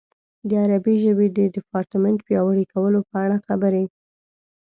د عربي ژبې د ډیپارټمنټ پیاوړي کولو په اړه خبرې.